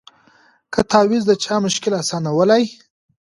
که تعویذ د چا مشکل آسانولای